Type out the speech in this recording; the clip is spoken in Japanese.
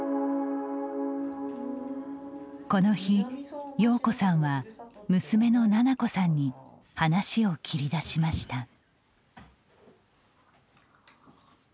この日、洋子さんは娘の菜々子さんに話を切り出しました。